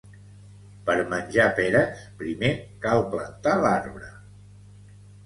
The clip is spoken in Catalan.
Per menjar peres primer cal plantar l'arbre